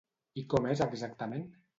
I com és exactament?